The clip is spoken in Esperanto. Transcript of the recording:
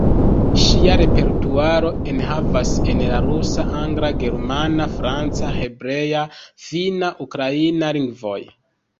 Ŝia repertuaro enhavas en la rusa, angla, germana, franca, hebrea, finna, ukraina lingvoj.